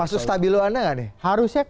maksud stabiloannya gak nih harusnya